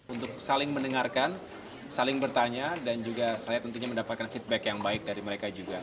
untuk saling mendengarkan saling bertanya dan juga saya tentunya mendapatkan feedback yang baik dari mereka juga